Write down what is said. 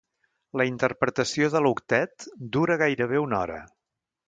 La interpretació de l'Octet dura gairebé una hora.